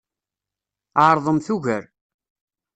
Ɛeṛḍemt ugar.